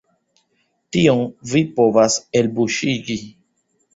Tion vi povas elbuŝigi!